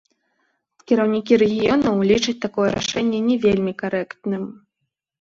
Кіраўнікі рэгіёнаў лічаць такое рашэнне не вельмі карэктным.